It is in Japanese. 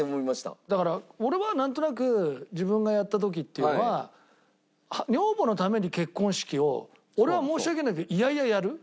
だから俺はなんとなく自分がやった時っていうのは女房のために結婚式を俺は申し訳ないけど嫌々やる。